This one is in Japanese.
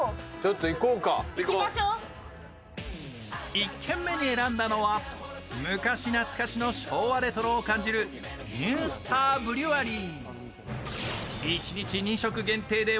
１軒目に選んだのは昔懐かしの昭和レトロを感じるニュースターブリュワリー。